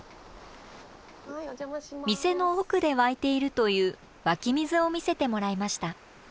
店の奥で湧いているという湧き水を見せてもらいました。